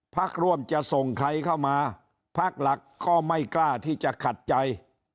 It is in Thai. พักร่วมจะส่งใครเข้ามาพักหลักก็ไม่กล้าที่จะขัดใจ